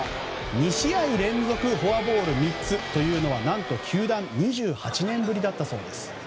２試合連続フォアボール３つというのは何と球団２８年ぶりだったそうです。